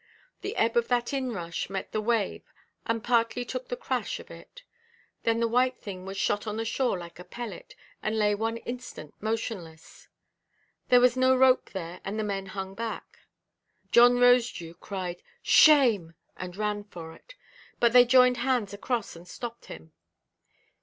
The ebb of that inrush met the wave and partly took the crash of it, then the white thing was shot on the shore like a pellet, and lay one instant motionless. There was no rope there, and the men hung back; John Rosedew cried "Shame!" and ran for it; but they joined hands across and stopped him.